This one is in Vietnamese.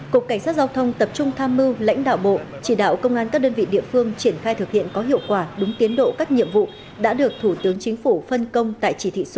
cục cảnh sát giao thông tập trung tham mưu lãnh đạo bộ chỉ đạo công an các đơn vị địa phương triển khai thực hiện có hiệu quả đúng tiến độ các nhiệm vụ đã được thủ tướng chính phủ phân công tại chỉ thị số một